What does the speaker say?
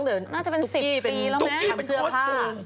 น่าจะเป็น๑๐ปีแล้วไหมทำเสื้อผ้า